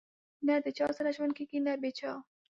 نه د چا سره ژوند کېږي نه بې چا